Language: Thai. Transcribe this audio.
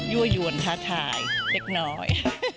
ั่วยวนท้าทายเล็กน้อย